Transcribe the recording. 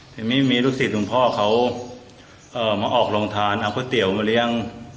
ตอนนี้มีรูขสิทธิ์ลุงพ่อเขามาออกลงทานเอาผู้เสี่ยวมาเรียง